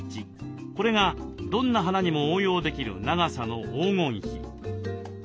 これがどんな花にも応用できる長さの黄金比。